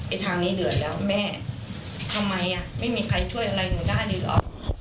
ไอ้ทางนี้เดือนแล้วแม่ทำไมไม่มีใครช่วยอะไรหนูได้หรอก